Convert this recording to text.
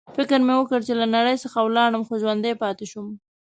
فکر مې وکړ چې له نړۍ څخه ولاړم، خو ژوندی پاتې شوم.